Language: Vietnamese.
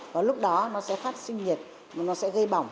và lúc đó nó sẽ phát sinh nhiệt mà nó sẽ gây bỏng